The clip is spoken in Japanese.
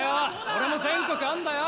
俺も全国あるんだよ。